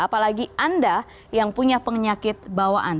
apalagi anda yang punya penyakit bawaan